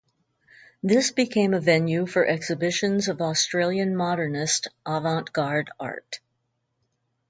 This became a venue for exhibitions of Australian Modernist avant garde art.